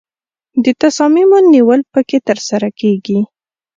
د تصامیمو نیول پکې ترسره کیږي.